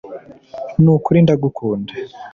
Nukuri ndagukunda